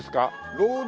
ロード